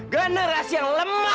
generasi yang lemah